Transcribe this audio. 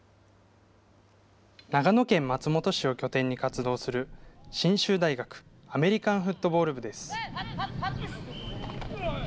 長野県松本市を拠点に活動する信州大学アメリカンフットボール部です。